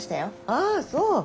ああそう。